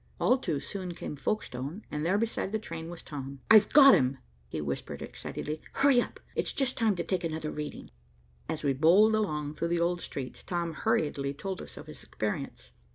All too soon came Folkestone, and there beside the train was Tom. "I've got him," he whispered excitedly. "Hurry up, it's just time to take another reading." As we bowled along through the old streets, Tom hurriedly told us of his experience.